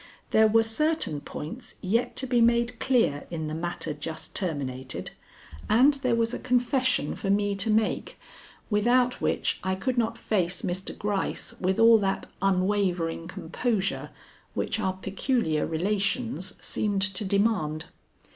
There were certain points yet to be made clear in the matter just terminated, and there was a confession for me to make, without which I could not face Mr. Gryce with all that unwavering composure which our peculiar relations seemed to demand.